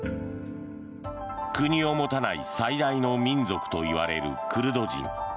国を持たない最大の民族といわれるクルド人。